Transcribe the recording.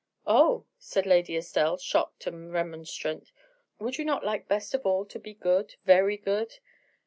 "Oh," said Lady Estelle, shocked and remonstrant, "would you not like best of all to be good, very good?"